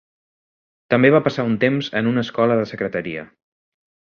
També va passar un temps en una escola de secretaria.